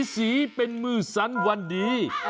สีเป็นมือสันวันดี